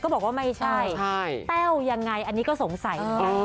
ก็บอกว่าไม่ใช่ยังไงอันนี้ก็สงสัย